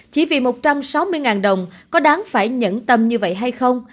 chỉ vì một trăm sáu mươi đồng có đáng phải nhẫn tâm như vậy hay không